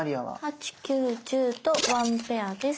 「８」「９」「１０」とワンペアです。